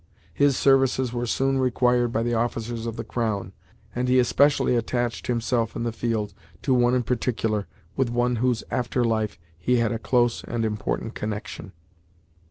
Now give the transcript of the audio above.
His services were soon required by the officers of the crown, and he especially attached himself in the field to one in particular, with whose after life he had a close and important connection.